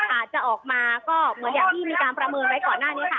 อาจจะออกมาก็เหมือนอย่างที่มีการประเมินไว้ก่อนหน้านี้ค่ะ